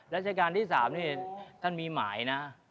ราชการที่๓นี่ท่านมีหมายนะ